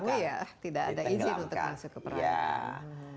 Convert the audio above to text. kalau di tahu ya tidak ada izin untuk masuk ke perang